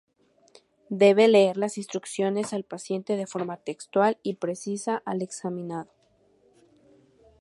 Debe leer las instrucciones al paciente de forma textual y precisa al examinado.